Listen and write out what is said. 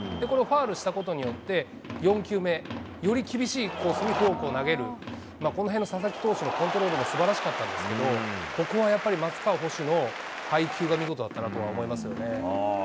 このファウルしたことによって、４球目、より厳しいコースにフォークを投げる、このへんの佐々木投手のコントロールもすばらしかったんですけど、ここはやっぱり、松川捕手の配球が見事だったなとは思いますね。